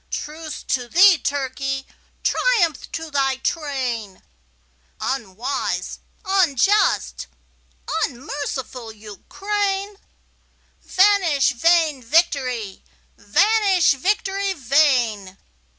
Truce to thee, Turkey! Triumph to thy train, Unwise, unjust, unmerciful Ukraine! Vanish vain victory! vanish, victory vain!